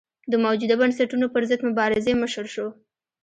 د موجوده بنسټونو پرضد مبارزې مشر شو.